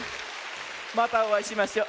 またおあいしましょ。